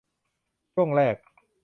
ช่วงแรก